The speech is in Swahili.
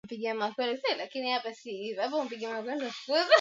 Pakacha ni kitu ambacho hutengezwa kwa kutumia makuti